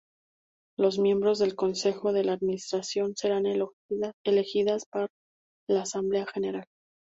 Los miembros del Consejo de Administración serán elegidos por la Asamblea General.